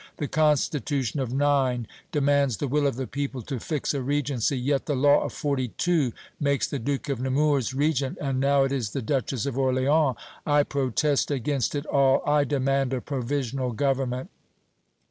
The constitution of '9 demands the will of the people to fix a Regency. Yet the law of '42 makes the Duke of Nemours Regent, and now it is the Duchess of Orléans. I protest against it all! I demand a provisional government!"